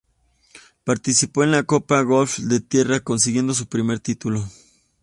Participó en la Copa Golf de Tierra, consiguiendo su primer título.